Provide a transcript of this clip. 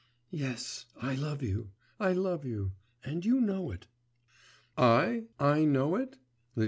'Yes, I love you ... I love you ... and you know it.' 'I? I know it?